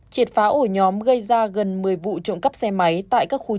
chiệt phá ổ nhóm gây ra gần một mươi vụ trộm cắp xe máy tại các khu trọ